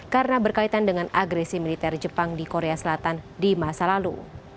karena berkaitan dengan agresi militer jepang di korea selatan di masa lalu